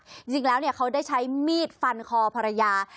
จริงแล้วเนี่ยเขาได้ใช้มีดฟันคอภรรยา